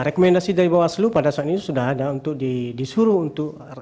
rekomendasi dari bawaslu pada saat ini sudah ada untuk disuruh untuk